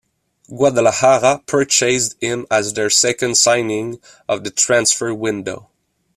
Guadalajara purchased him as their second signing of the transfer window.